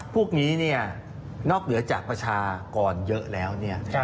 พวกนี้เนี่ยนอกเหลือจากประชากรเยอะแล้วเนี่ย